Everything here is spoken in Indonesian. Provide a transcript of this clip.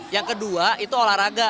yang kedua itu olahraga